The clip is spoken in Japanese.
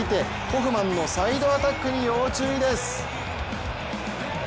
ホフマンのサイドアタックに要注意です。